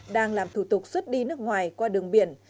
đang làm thủ tục xuất đi nước ngoài qua đường biển